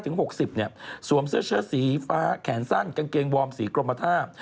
๖๐เนี่ยสวมเสื้อเชื้อสีฟ้าแขนสั้นกางเกงวอร์มสีกรมธาตุ